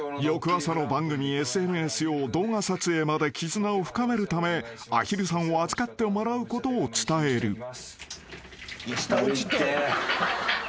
［翌朝の番組ＳＮＳ用動画撮影まで絆を深めるためアヒルさんを預かってもらうことを伝える］